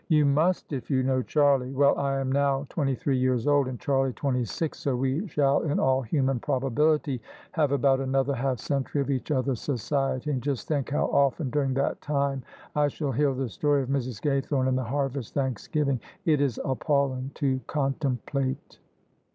"You must, if you know Charlie 1 Well, I am now twenty three years old and Charlie twenty six, so we shall in all human probability have about another half century of each other's society: and just think how often during that time I shall hear the story of Mrs. Gaythorne and the harvest thanksgiving 1 It is appalling to contemplate!"